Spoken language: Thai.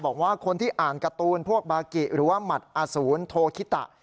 บอกว่าคนที่อ่านการ์ตูนพวกบากิหรือว่าหมัดอสูรโทคิตะ